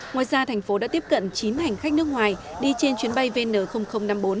ngoài ra thành phố đã tiếp cận chín hành khách nước ngoài đi trên chuyến bay vn năm mươi bốn